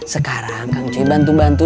sekarang kang cey bantu bantu